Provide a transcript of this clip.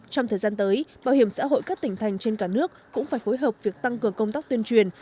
trong thời gian tới bảo hiểm xã hội các tỉnh thành trên cả nước cũng phải phối hợp việc tăng cường công tác tuyên truyền